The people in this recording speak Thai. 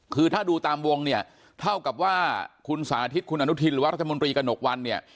คือถ้าดูตามวงเนี่ยเท่ากับว่าคุณสาธิตคุณอนุทินหรือว่ารัฐมนตรีกระหนกวันเนี่ย